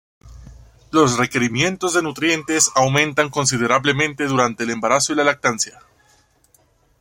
Los requerimientos de nutrientes aumentan considerablemente durante el embarazo y la lactancia.